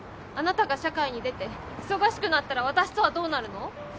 あなたが社会に出て忙しくなったら私とはどうなるの？